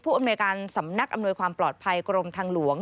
อำนวยการสำนักอำนวยความปลอดภัยกรมทางหลวง